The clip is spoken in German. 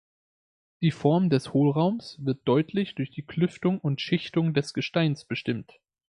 Die Form des Hohlraums wird deutlich durch die Klüftung und Schichtung des Gesteins bestimmt.